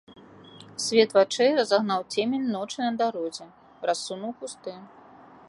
Свет вачэй разагнаў цемень ночы на дарозе, рассунуў кусты.